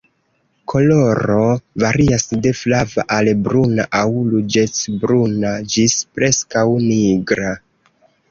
Koloro varias de flava al bruna aŭ ruĝecbruna ĝis preskaŭ nigra.